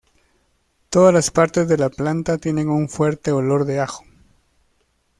Todas las partes de la planta tienen un fuerte olor de ajo.